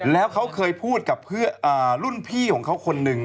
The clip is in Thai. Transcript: แล้วเขาเคยพูดกับรุ่นพี่ของเขาคนหนึ่ง